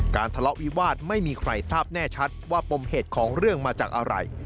ทะเลาะวิวาสไม่มีใครทราบแน่ชัดว่าปมเหตุของเรื่องมาจากอะไร